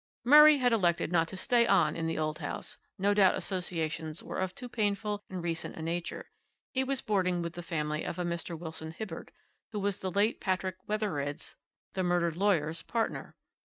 "Murray had elected not to stay on in the old house; no doubt associations were of too painful and recent a nature; he was boarding with the family of a Mr. Wilson Hibbert, who was the late Patrick Wethered's, the murdered lawyer's, partner.